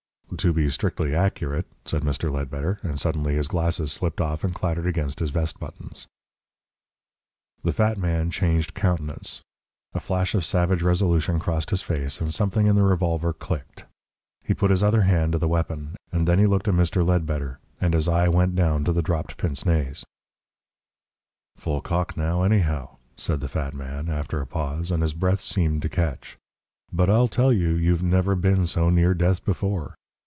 "To be strictly accurate," said Mr. Ledbetter, and suddenly his glasses slipped off and clattered against his vest buttons. The fat man changed countenance, a flash of savage resolution crossed his face, and something in the revolver clicked. He put his other hand to the weapon. And then he looked at Mr. Ledbetter, and his eye went down to the dropped pince nez. "Full cock now, anyhow," said the fat man, after a pause, and his breath seemed to catch. "But I'll tell you, you've never been so near death before.